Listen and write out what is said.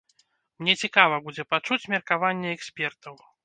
Мне цікава будзе пачуць меркаванне экспертаў.